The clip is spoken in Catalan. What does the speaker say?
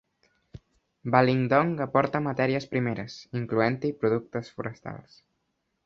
Balingdong aporta matèries primeres, incloent-hi productes forestals.